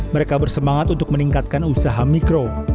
mereka bersemangat untuk meningkatkan usaha mikro